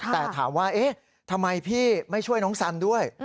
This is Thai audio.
แต่ถามว่าเอ๊ะทำไมพี่ไม่ช่วยน้องสันด้วย